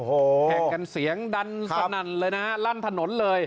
แข่งกันเสียงดันสนั่นเลยนะฮะลั่นถนนเลย